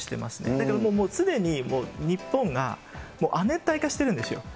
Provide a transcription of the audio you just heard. だからもう、すでに日本が亜熱帯化してるんですよ。